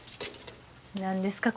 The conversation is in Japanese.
何ですか？